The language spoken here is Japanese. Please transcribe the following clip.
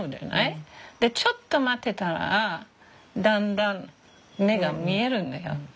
でちょっと待ってたらだんだん目が見えるんだよ。